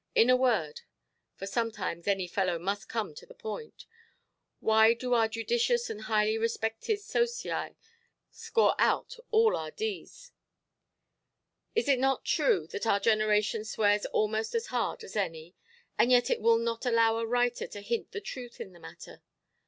In a word—for sometimes any fellow must come to the point—Why do our judicious and highly–respected Sosii score out all our d—ns? Is it not true that our generation swears almost as hard as any? And yet it will not allow a writer to hint the truth in the matter.